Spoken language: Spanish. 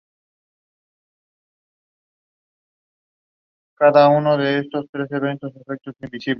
Su trabajo en audiolibros incluye "El jardín secreto" de Frances Hodgson Burnett.